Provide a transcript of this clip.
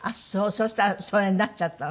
そしたらそれになっちゃったの？